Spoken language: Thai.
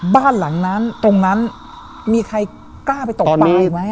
บ้านหลังนั้นตรงนั้นมีใครกล้าไปตกปลาอีกไหม